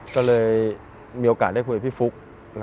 ก็เลยมีโอกาสได้คุยกับพี่ฟุ๊ก